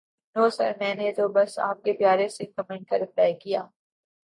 نو sir میں نے تو بس آپ کے پیارے سے کومینٹ کا رپلائے کیا